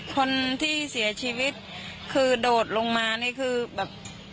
คนที่เสียชีวิตคือโดดลงมานี่คือแบบ